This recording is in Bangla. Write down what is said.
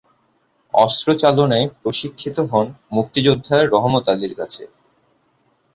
অস্ত্র চালনায় প্রশিক্ষিত হন মুক্তিযোদ্ধা রহমত আলীর কাছে।